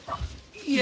いえ。